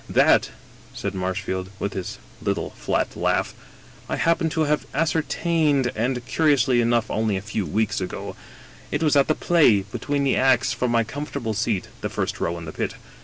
"That," said Marshfield, with his little flat laugh, "I happen to have ascertained — ^and, curiously enough, only a few weeks ago. It was at the play, between the acts, from my comfortable seat (the first row in the pit).